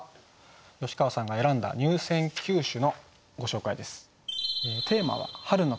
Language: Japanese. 吉川さんが選んだ入選九首のご紹介です。